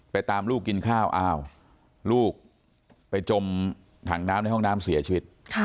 ตามลูกกินข้าวอ้าวลูกไปจมถังน้ำในห้องน้ำเสียชีวิต